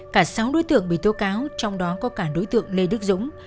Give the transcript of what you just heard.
cả sáu đối tượng bị tố cáo trong đó có cả đối tượng lê đức dũng